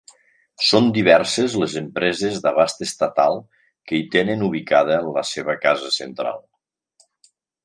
Són diverses les empreses d'abast estatal que hi tenen ubicada la seva casa central.